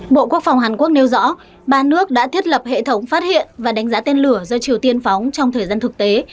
bộ quốc phòng hàn quốc nêu rõ ba nước đã thiết lập hệ thống phát hiện và đánh giá tên lửa do triều tiên phóng trong thời gian thực tế